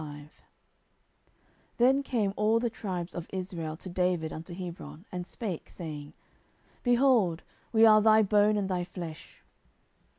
10:005:001 Then came all the tribes of Israel to David unto Hebron, and spake, saying, Behold, we are thy bone and thy flesh.